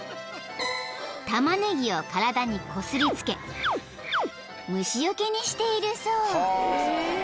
［タマネギを体にこすりつけ虫よけにしているそう］